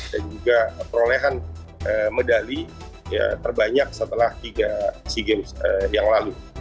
dan juga perolehan medali terbanyak setelah tiga sea games yang lalu